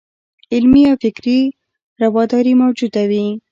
علمي او فکري راوداري موجوده وي.